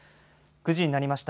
９時になりました。